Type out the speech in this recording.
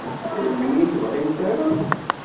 Ur d-iyi-tebɣimt ara?